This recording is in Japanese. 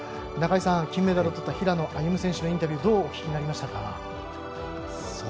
中井さん、金メダルをとった平野歩夢選手のインタビューどうお聞きになりましたか。